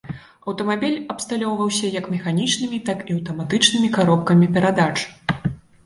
Аўтамабіль абсталёўваўся як механічнымі, так і аўтаматычнымі каробкамі перадач.